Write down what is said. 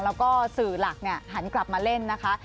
แล้วก็สื่อหลักหันกลับมาเล่นนะคะ